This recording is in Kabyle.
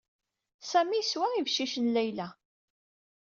Sami yeswa ibeccicen n Layla.